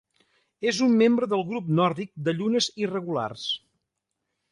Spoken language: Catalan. És un membre del Grup Nòrdic de llunes irregulars.